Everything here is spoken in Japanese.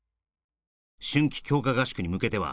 「春季強化合宿に向けては」